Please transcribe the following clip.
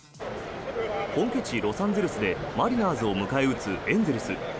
本拠地ロサンゼルスでマリナーズを迎え撃つエンゼルス。